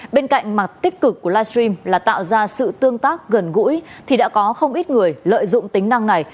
bên cạnh mặt tích cực của livestream là tạo ra sự tương tác gần gũi thì đã có không ít người lợi dụng tính năng này